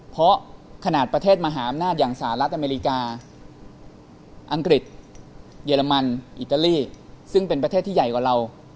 เพราะขนาดประเทศมหาอำนาจอย่างสหรัฐอเมริกาอังกฤษเยอรมันอิตาลีซึ่งเป็นประเทศที่ใหญ่กว่าเรา